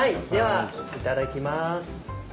ではいただきます。